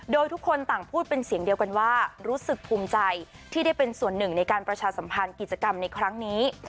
โดยทุกคนต่างพูดเป็นเสียงเดียวกันว่ารู้สึกภูมิใจที่ได้เป็นส่วนหนึ่งในการประชาสัมพันธ์กิจกรรมในครั้งนี้